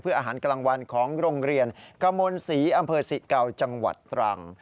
เพื่ออาหารกลางวัลของโรงเรียนกมศรีอศิเกาจังหวัดตรัง